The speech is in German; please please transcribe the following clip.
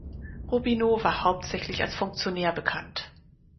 Robinow war hauptsächlich als Funktionär bekannt.